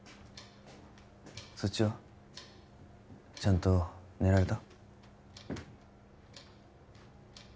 そっちは？ちゃんと寝られた？